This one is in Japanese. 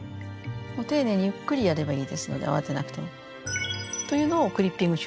丁寧にゆっくりやればいいですので慌てなくても。というのをクリッピング手術と。